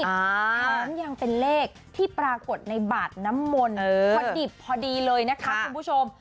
แถมยังเป็นเลขที่ปรากฏในบาดน้ำมนต์พอดิบพอดีเลยนะคะคุณผู้ชม